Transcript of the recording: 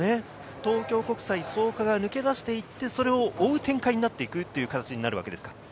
東京国際、創価が抜け出していって、それを追う展開になっていくという形になるわけですか？